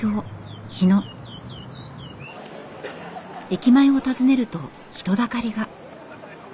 駅前を訪ねると人だかりが。